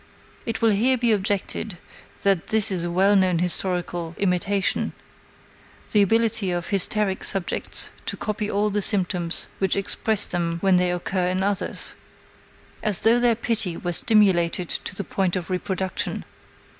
It will here be objected that this is well known hysterical imitation, the ability of hysteric subjects to copy all the symptoms which impress them when they occur in others, as though their pity were stimulated to the point of reproduction.